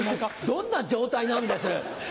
どんな状態なんだよそれ。